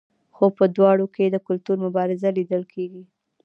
خو په دواړو کې د کلتور مبارزه لیدل کیږي.